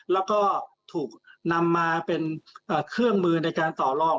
แล้วก็ถูกนำมาเป็นเครื่องมือในการต่อรอง